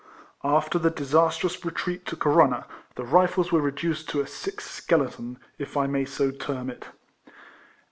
After the disastrous retreat to Corunna, the Rifles were reduced to a sickh^ skeleton, if I may so term it.